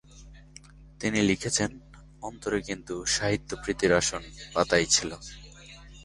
তিনি লিখেছেন -"অন্তরে কিন্তু সাহিত্য প্রীতির আসন পাতাই ছিল।